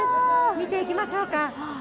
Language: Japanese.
見ていきましょうか。